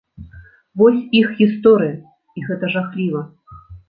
Вось іх гісторыя, і гэта жахліва.